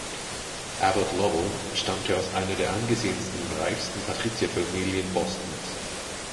Abbott Lowell stammte aus einer der angesehensten und reichsten Patrizierfamilien Bostons.